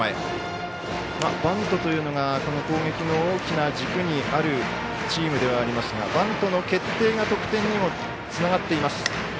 バントというのが攻撃の大きな軸にあるチームではありますがバントの決定が得点にもつながっています。